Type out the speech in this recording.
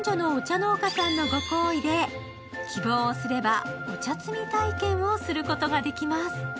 農家さんのご好意で、希望をすればお茶摘み体験をすることができます。